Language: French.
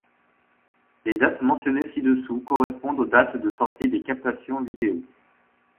Les dates mentionnées ci-dessous correspondent aux dates de sorties des captations vidéos.